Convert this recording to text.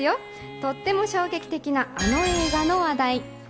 とっても衝撃的なあの映画の話題。